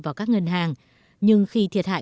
vào các ngân hàng nhưng khi thiệt hại